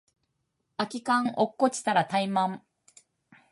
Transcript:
空き缶落っこちたらタイマン